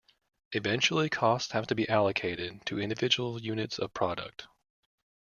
Eventually, costs have to be allocated to individual units of product.